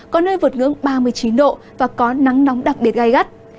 có nơi vượt ngưỡng ba mươi chín độ và có nắng nóng đặc biệt gai gắt